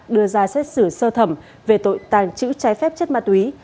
đưa ra xét xử sơ thẩm về tội tàng trữ trái phép chất ma túy